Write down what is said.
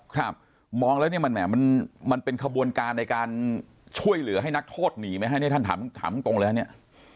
ครับมองแล้วเนี่ยมันแหม่มันมันเป็นขบวนการในการช่วยเหลือให้นักโทษหนีไหมฮะเนี่ยท่านถามตรงเลยฮะเนี่ย